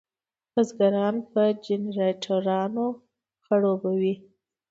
بزګران په جنراټورانو خړوبوي.